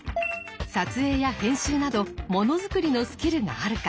撮影や編集などもの作りのスキルがあるか。